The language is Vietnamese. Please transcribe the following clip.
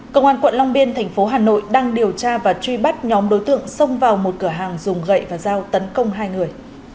công an quận long biên thành phố hà nội đang điều tra và truy bắt nhóm đối tượng xông vào một cửa hàng dùng gậy và dao tấn công hai người